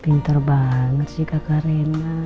pintar banget sih kakak rena